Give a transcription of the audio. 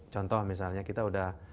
contoh misalnya kita udah